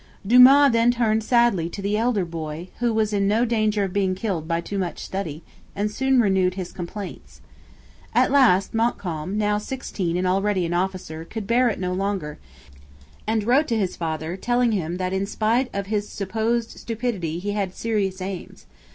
Dumas then turned sadly to the elder boy, who was in no danger of being killed by too much study, and soon renewed his complaints. At last Montcalm, now sixteen and already an officer, could bear it no longer, and wrote to his father telling him that in spite of his supposed stupidity he had serious aims.